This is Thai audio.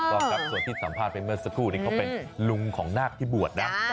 ต้องครับส่วนที่สัมภาษณ์ไปเมื่อสักครู่นี้เขาเป็นลุงของนาคที่บวชนะ